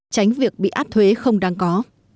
tránh việc bị áp thuế không đáng có